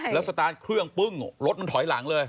แล้วสตาร์ทเครื่องปึ้งรถมันถอยหลังเลย